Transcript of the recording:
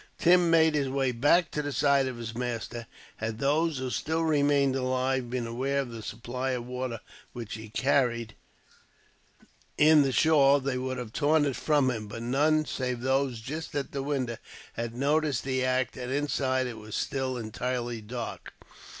Tim made his way back to the side of his master. Had those who still remained alive been aware of the supply of water which he carried, in the shawl, they would have torn it from him; but none save those just at the window had noticed the act, and inside it was still entirely dark.